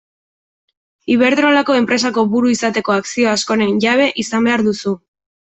Iberdrolako enpresako buru izateko akzio askoren jabe izan behar duzu.